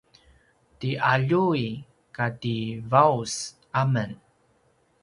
ti aljuy kati vaus amen